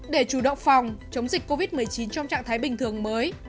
để chủ động phòng chống dịch covid một mươi chín trong trạng thái bình thường mới